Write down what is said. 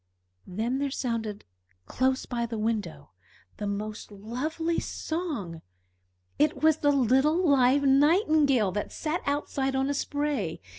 Then there sounded close by the window the most lovely song. It was the little live Nightingale, that sat outside on a spray.